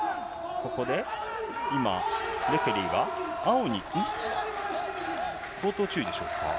ここで今、レフェリーが、青に口頭注意でしょうか？